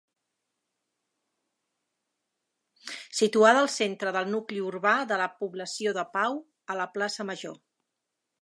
Situada al centre del nucli urbà de la població de Pau, a la plaça Major.